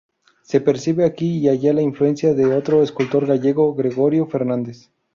Se percibe aquí y allá la influencia de otro escultor gallego: Gregorio Fernández.